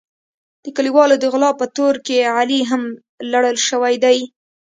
د کلیوالو د غلا په تور کې علي هم لړل شوی دی.